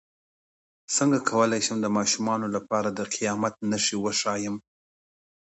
څنګه کولی شم د ماشومانو لپاره د قیامت نښې وښایم